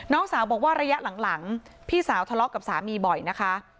น้องสาวบอกว่าระยะหลังพี่สาวทะเลาะกับสามีบ่อยนะคะ